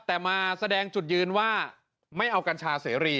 แต่มาแสดงจุดยืนว่าไม่เอากัญชาเสรี